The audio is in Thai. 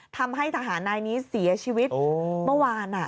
ทำให้ทหารนายนี้เสียชีวิตเมื่อวาน